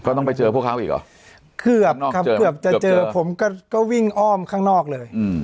ต้องไปเจอพวกเขาอีกเหรอเกือบครับเกือบจะเจอผมก็วิ่งอ้อมข้างนอกเลย